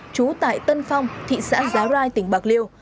trú tại tân phong thị xã giá rai tỉnh bạc liêu